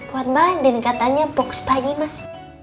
buat mbak yang dikatanya box bayi mas